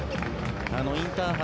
インターハイ